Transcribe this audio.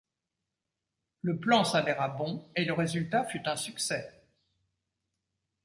Le plan s'avéra bon et le résultat fut un succès.